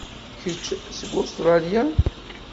Kečč seg Ustṛalya?